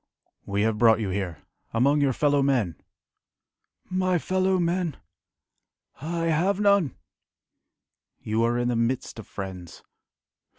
"We have brought you here, among your fellow men." "My fellow men!... I have none!" "You are in the midst of friends."